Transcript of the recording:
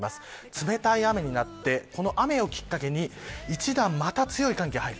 冷たい雨になってこの雨をきっかけに一段、また強い寒気が入る。